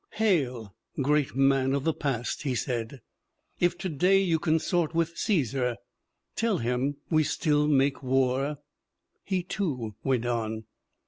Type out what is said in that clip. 'Hail, great man of the past !' he said. 'If to day you consort with Caesar, tell him we still make war/ He, too, went on.